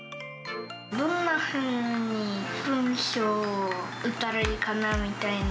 どんなふうに文章を打ったらいいかなみたいな。